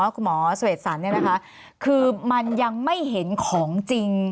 คุณหมอสเวชสันนะคะคือมันยังไม่เห็นของจริง